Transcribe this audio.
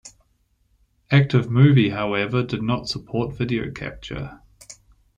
ActiveMovie, however, did not support video capture.